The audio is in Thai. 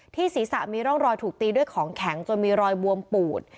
ศีรษะมีร่องรอยถูกตีด้วยของแข็งจนมีรอยบวมปูด